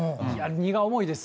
荷が重いです。